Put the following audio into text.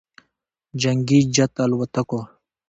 جنګي جت الوتکو